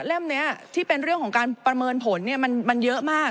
นี้ที่เป็นเรื่องของการประเมินผลมันเยอะมาก